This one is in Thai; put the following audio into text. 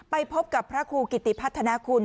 ไปพบกับพระครูกิติพัฒนาคุณ